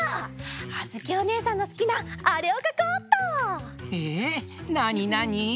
あづきおねえさんのすきなあれをかこうっと！えなになに？